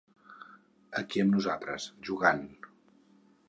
Aquí amb nosaltres, jugant.